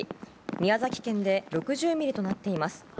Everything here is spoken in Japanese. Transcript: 宮崎県で６０ミリとなっています。